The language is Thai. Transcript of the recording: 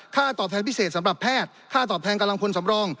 ตอบแทนพิเศษสำหรับแพทย์ค่าตอบแทนกำลังพลสำรอง